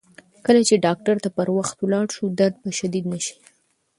کله چې ډاکتر ته پر وخت ولاړ شو، درد به شدید نه شي.